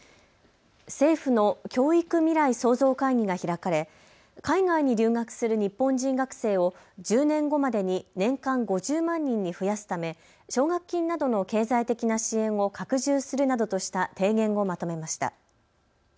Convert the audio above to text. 政府の教育未来創造会議が開かれ海外に留学する日本人学生を１０年後までに年間５０万人に増やすため、奨学金などの経済的な支援を拡充するなどとした提言をまとめました。